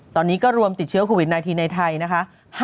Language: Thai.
ตอนนี้ก็รวมติดเชื้อโควิด๑๙ในไทยนะคะ